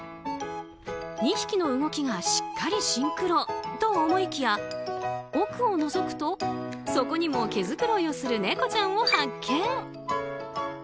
２匹の動きがしっかりシンクロと思いきや奥をのぞくと、そこにも毛づくろいをする猫ちゃんを発見。